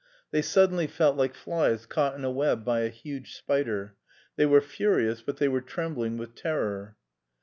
They suddenly felt like flies caught in a web by a huge spider; they were furious, but they were trembling with terror.